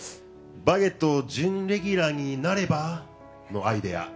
「バゲット」の準レギュラーになれば？のアドバイス。